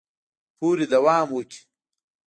پورې دوام وکړي